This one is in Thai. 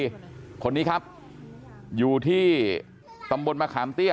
เทพแก้วอายุ๒๙ปีคนนี้ครับอยู่ที่ตำบลมะขามเตี้ย